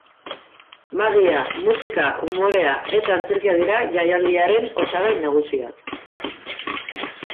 Magia, musika, umorea eta antzerkia dira jaialdiaren osagai nagusiak.